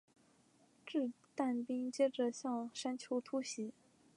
掷弹兵接着向山丘突袭。